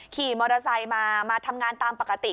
ขี่มอเตอร์ไซค์มามาทำงานตามปกติ